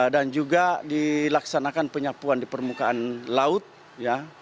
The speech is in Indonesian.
dan juga dilaksanakan penyapuan di permukaan laut ya